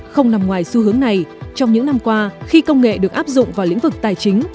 không nằm ngoài xu hướng này trong những năm qua khi công nghệ được áp dụng vào lĩnh vực tài chính